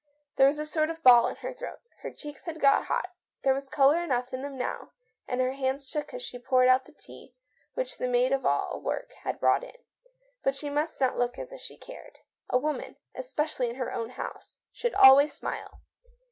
There was a sort of ball in her throat. Her cheeks had got hot; there was colour enough in them now. Her hands shook as she poured out the tea which the maid of all work had brought in. But she must not look as if she cared. A woman — especially in her own house — should always smile.